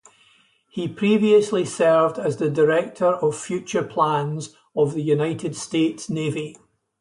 He previously served as the Director of Future Plans of the United States Navy.